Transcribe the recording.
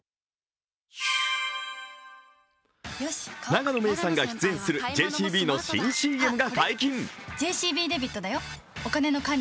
永野芽郁さんが出演するＪＣＢの新ＣＭが解禁。